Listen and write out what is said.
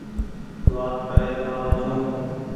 وآت ڪرين آ رو ڇون ۔